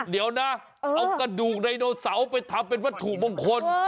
เดี๋ยวนะเอากระดูกไดโนเสาร์ไปทำเป็นวัตถุมงคล